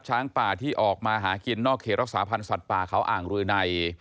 ช้างป่าที่ออกมาหากินนอกเขตรักษาพันธ์สัตว์ป่าเขาอ่างรืนัย